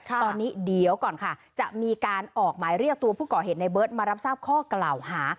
ตอนนี้เดี๋ยวก่อนค่ะจะมีการออกหมายเรียกตัวผู้ก่อเหตุในเบิร์ตมารับทราบข้อกล่าวหา